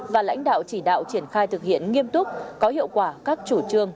và lãnh đạo chỉ đạo triển khai thực hiện nghiêm túc có hiệu quả các chủ trương